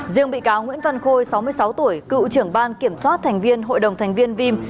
riêng bị cáo nguyễn văn khôi sáu mươi sáu tuổi cựu trưởng ban kiểm soát thành viên hội đồng thành viên vim